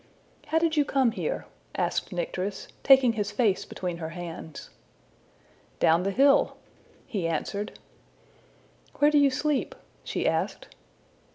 ``How did you come here?'' asked Nycteris, taking his face between her hands. ``Down the hill,'' he answered. ``Where do you sleep?'' she asked.